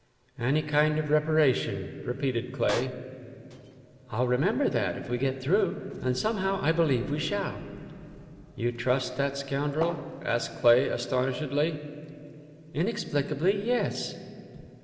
"Any kind of reparation," repeated Cleigh. "I'll remember that if we get through. And somehow I believe we shall." "You trust that scoundrel?" asked Cleigh, astonishedly. "Inexplicably yes."